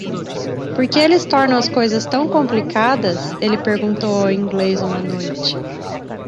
"Por que eles tornam as coisas tão complicadas?" Ele perguntou ao inglês uma noite.